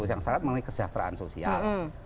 yang syarat mengenai kesejahteraan sosial